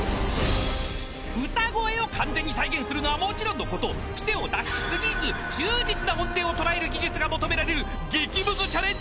［歌声を完全に再現するのはもちろんのこと癖を出し過ぎず忠実な音程を捉える技術が求められる］